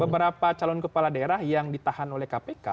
beberapa calon kepala daerah yang ditahan oleh kpk